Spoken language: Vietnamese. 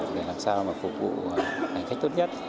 để làm sao mà phục vụ hành khách tốt nhất